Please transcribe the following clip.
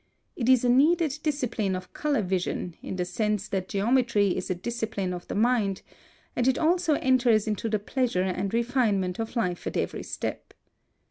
It is a needed discipline of color vision, in the sense that geometry is a discipline of the mind, and it also enters into the pleasure and refinement of life at every step.